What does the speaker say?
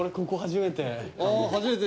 ここ初めてああ